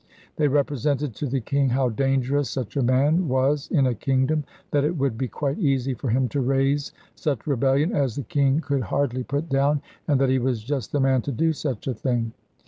They represented to the king how dangerous such a man was in a kingdom, that it would be quite easy for him to raise such rebellion as the king could hardly put down, and that he was just the man to do such a thing.